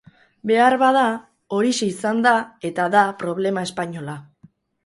Beharbada horixe izan da eta da problema espainola.